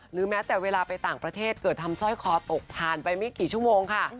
แม้แต่เวลาไปต่างประเทศเกิดทำสร้อยคอตกผ่านไปไม่กี่ชั่วโมงค่ะ